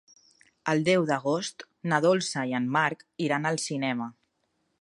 El deu d'agost na Dolça i en Marc iran al cinema.